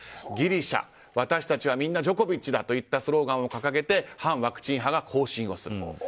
ギリシャ、私たちは皆ジョコビッチだといったスローガンを掲げて反ワクチン派が行進をする。